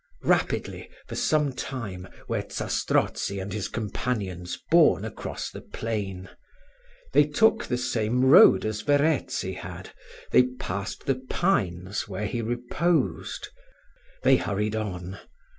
Rapidly, for some time, were Zastrozzi and his companions borne across the plain. They took the same road as Verezzi had. They passed the pines where he reposed. They hurried on.